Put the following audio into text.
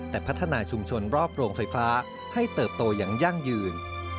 แต่พัฒนาชุมชนรอบโรงไฟฟ้าให้เติบโตอย่างยั่งยืน